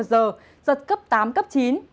giật cấp tám chín